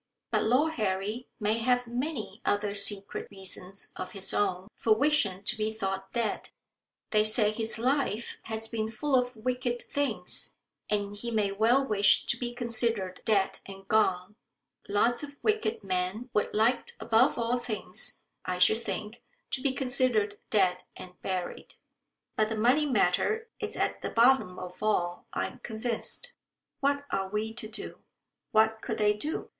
But Lord Harry may have many other secret reasons of his own for wishing to be thought dead. They say his life has been full of wicked things, and he may well wish to be considered dead and gone. Lots of wicked men would like above all things, I should think, to be considered dead and buried. But the money matter is at the bottom of all, I am convinced. What are we to do?" What could they do?